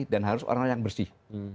dan harus orang orang yang bersih